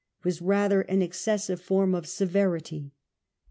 It was rather an excessive form of severity.